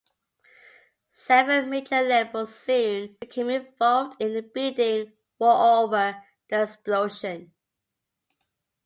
Seven major labels soon became involved in a bidding war over The Explosion.